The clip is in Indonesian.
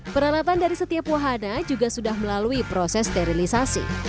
peralatan dari setiap wahana juga sudah melalui proses sterilisasi